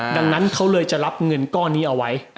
ดังนั้นเขาเลยจะรับเงินก้อนนี้เอาไว้